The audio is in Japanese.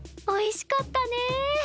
おいしかったね。